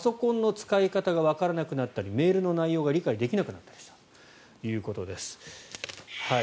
パソコンの使い方がわからなくなったりメールの内容が理解できなくなったりしたということです。